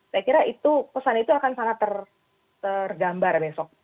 saya kira itu pesan itu akan sangat tergambar besok